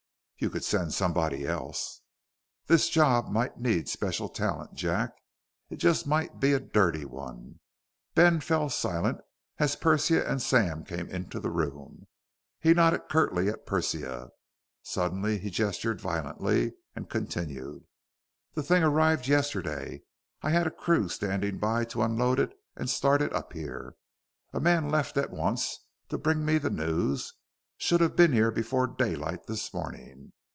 "You could send somebody else." "This job might need special talent, Jack. It just might be a dirty one." Ben fell silent as Persia and Sam came into the room. He nodded curtly at Persia. Suddenly he gestured violently and continued. "The thing arrived yesterday. I had a crew standing by to unload it and start it up here. A man left at once to bring me the news should have been here before daylight this morning.